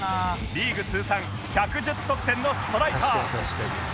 リーグ通算１１０得点のストライカー